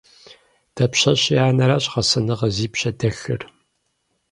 Дапщэщи анэращ гъэсэныгъэр зи пщэ дэлъыр.